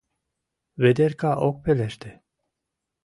Ведерка ок пелеште.